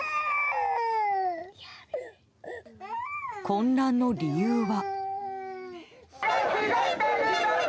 混乱の理由は。